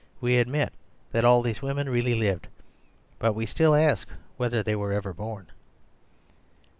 We admit that all these women really lived. But we still ask whether they were ever born?"